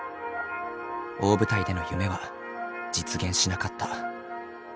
大舞台での夢は実現しなかった。